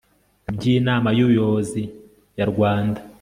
by inama y ubuyobozi ya rwanda